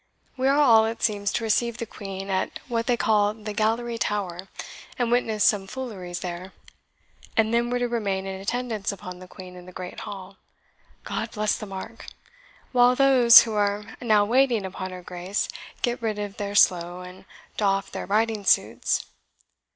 We are all, it seems, to receive the Queen at what they call the Gallery tower, and witness some fooleries there; and then we're to remain in attendance upon the Queen in the Great Hall God bless the mark! while those who are now waiting upon her Grace get rid of their slough, and doff their riding suits.